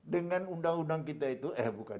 dengan undang undang kita itu eh bukan